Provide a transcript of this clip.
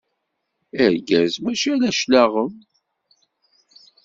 Argaz mačči ala cclaɣem.